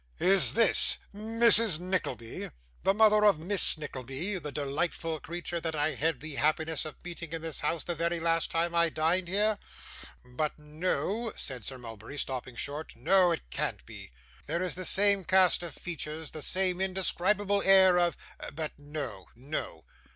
'Is this Mrs. Nickleby the mother of Miss Nickleby the delightful creature that I had the happiness of meeting in this house the very last time I dined here? But no;' said Sir Mulberry, stopping short. 'No, it can't be. There is the same cast of features, the same indescribable air of But no; no.